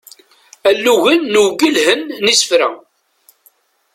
Alugen n uwgelhen n isefka.